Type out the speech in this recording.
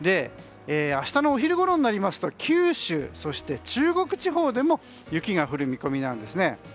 明日のお昼ごろになりますと九州、中国地方でも雪が降る見込みなんです。